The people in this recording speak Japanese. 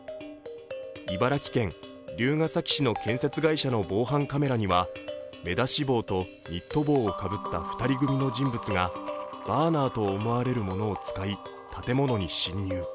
茨城県龍ケ崎市の建設会社の防犯カメラには目出し帽とニット帽をかぶった２人組の人物がバーナーと思われるものを使い建物に侵入。